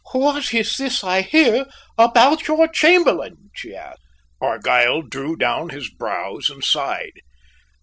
"What is this I hear about your Chamberlain?" she asked. Argyll drew down his brows and sighed.